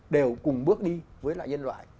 đều cùng bước đi với lại nhân loại